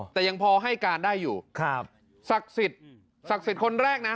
แต่ยังพอให้การได้อยู่ครับศักดิ์สิทธิ์ศักดิ์สิทธิ์คนแรกนะ